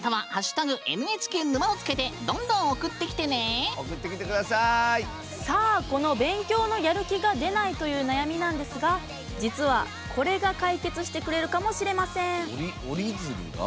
「＃ＮＨＫ沼」を付けてこの「勉強のやる気が出ない」という悩みなんですが実は、これが解決してくれるかもしれません。